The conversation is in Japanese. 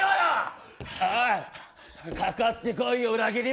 かかってこいよ、裏切者。